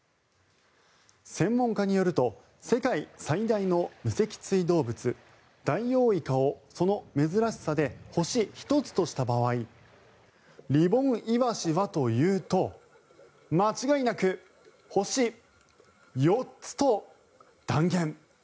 専門家によると世界最大の無脊椎動物ダイオウイカをその珍しさで星１つとした場合リボンイワシはというと間違いなく星４つと断言。